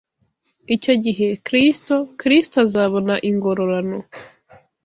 Icyo gihe, Kristo Kristo azabona ingororano